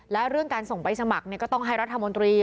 และเรื่องการส่งใบสมัครก็ต้องให้รัฐมนตรี